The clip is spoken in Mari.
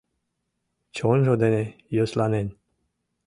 Чонжо дене йӧсланен